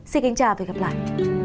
xin kính chào và hẹn gặp lại